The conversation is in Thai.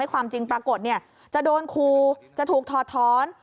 ให้ความจริงปรากฏเนี่ยจะโดนครูจะถูกทอดท้อน